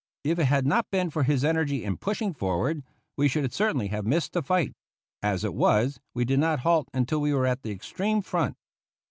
If it had not been for his energy in pushing forward, we should certainly have missed the fight. As it was, we did not halt until we were at the extreme front.